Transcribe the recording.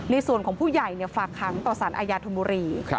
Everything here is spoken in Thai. ในส่วนของผู้ใหญ่ฝากขังต่อสารอาญาธนบุรี